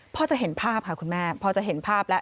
จะเห็นภาพค่ะคุณแม่พอจะเห็นภาพแล้ว